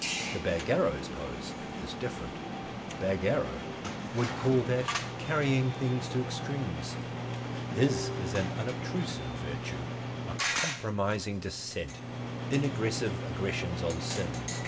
But Bagarrow's pose is different. Bagarrow would call that carrying things to extremes. His is an unobtrusive virtue, a compromising dissent, inaggressive aggressions on sin.